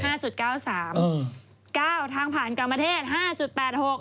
จุดเก้าสามอืมเก้าทางผ่านกรรมประเทศห้าจุดแปดหก